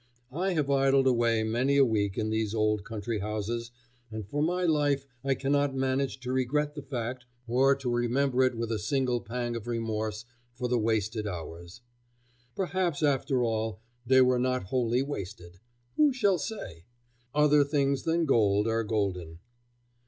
I have idled away many a week in these old country houses, and for my life I cannot manage to regret the fact, or to remember it with a single pang of remorse for the wasted hours. Perhaps after all they were not wholly wasted. Who shall say? Other things than gold are golden.